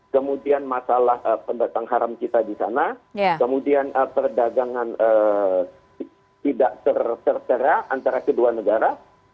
kemudian masalah pendatang haram kita di sana kemudian perdagangan tidak tersertera antara kedua negara